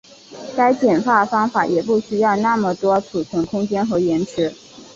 该简化方法也不需要那么多存储空间和延迟。